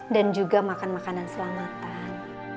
dan juga makan makanan selamatan